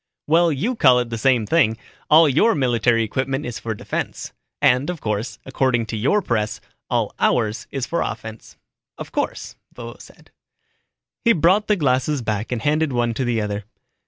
"Well, you call it the same thing. All your military equipment is for defense. And, of course, according to your press, all ours is for offense." "Of course," Vovo said. He brought the glasses back and handed one to the other.